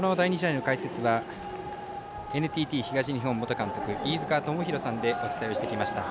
第２試合の解説はＮＴＴ東日本元監督飯塚智広さんでお伝えしてきました。